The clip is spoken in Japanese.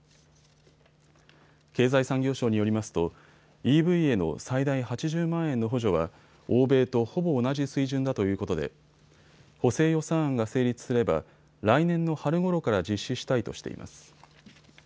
経済産業省によりますとＥＶへの最大８０万円の補助は欧米とほぼ同じ水準だということで、補正予算案が成立すれば来年の春ごろから実施したいとしています。